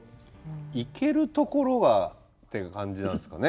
行けるところはっていう感じなんですかね。